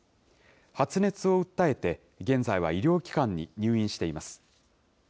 発熱を訴えて、現在は医療機関に入院しています。